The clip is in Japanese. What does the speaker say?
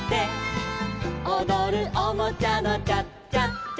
「おどるおもちゃのチャチャチャ」